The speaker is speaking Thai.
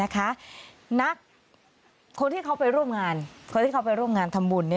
คนที่เขาไปร่วมงานคนที่เขาไปร่วมงานทำบุญ